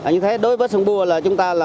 như thế đối với sơn bùa là chúng ta